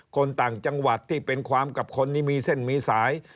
คนต่างจังหวัดที่เป็นความกับคนที่มีเส้นมีสาย